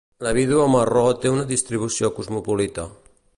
La vídua marró té una distribució cosmopolita.